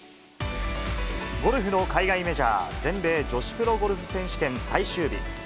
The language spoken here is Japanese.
ゴルフの海外メジャー、全米女子プロゴルフ選手権最終日。